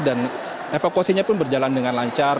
dan evakuasinya pun berjalan dengan lancar